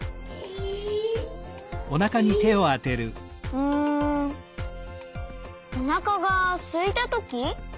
うんおなかがすいたとき？